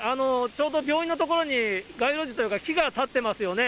ちょうど病院の所に街路樹というか、木が立ってますよね。